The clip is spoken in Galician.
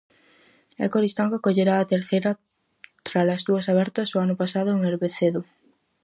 E Coristanco acollerá a terceira, tralas dúas abertas o ano pasado en Erbecedo.